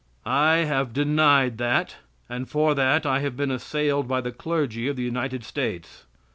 I have denied that and for that I have been assailed by the clergy of the United States.